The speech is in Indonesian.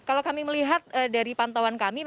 kalau kami melihat dari pantauan kami